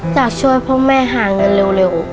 อยากช่วยพ่อแม่หาเงินเร็ว